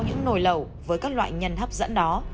những nồi lầu với các loại nhân hấp dẫn đó